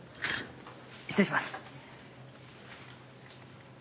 失礼します。